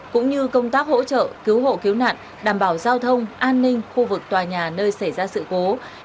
cũng như công tác hỗ trợ cứu hộ cứu nạn đảm bảo giao thông an ninh khu vực tòa nhà nơi xảy ra sự cố